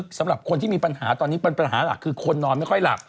สำหรับคนที่มีปัญหาตอนนี้ปัญหาหลักคือคนนอนไม่ค่อยหลับ